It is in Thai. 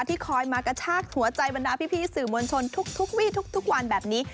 ที่คอยมากระชากหัวใจบรรดาพี่สื่อมวลชนทุกวีทุกวันแบบนี้